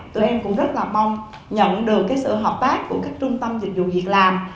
tụi em cũng rất là mong nhận được sự hợp tác của các trung tâm dịch vụ việc làm